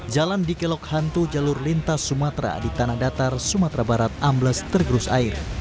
jalan di kelok hantu jalur lintas sumatera di tanah datar sumatera barat ambles tergerus air